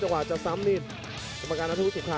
เวลาจะซ้ำนี่กรรมการนัทธุรกิจค่ะ